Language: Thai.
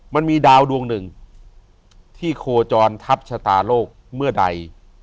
มันมีดาวดวงหนึ่งที่โคจรทัพชะตาโลกเมื่อใด